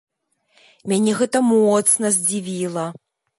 Мяне гэта моцна здзівіла.